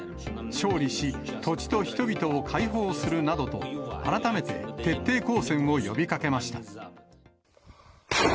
勝利し、土地と人々を解放するなどと、改めて徹底抗戦を呼びかけました。